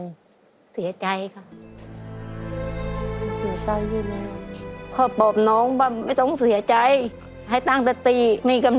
หมดอะไรตายอย่างงี้